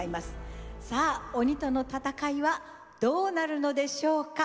さあ鬼との戦いはどうなるのでしょうか！